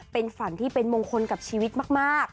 เป็นฝันที่เป็นมงคลกับชีวิตมาก